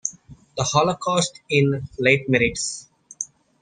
The Holocaust in Leitmeritz.